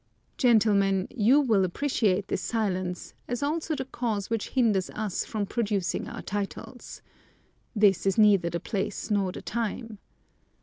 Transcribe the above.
Gentlemen, you will appreciate this silence, as also the cause which hinders us from producing our titles. This is neither the place nor the time.